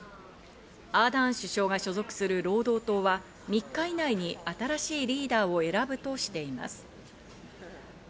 アーダーン首相が所属する労働党は、３日以内に新しいリーダーを選ぶとしています。